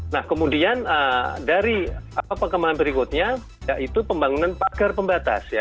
nah kemudian dari apa keempat berikutnya yaitu pembangunan pagar pembatas